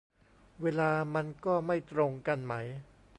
เวลามันก็ไม่ตรงกันไหม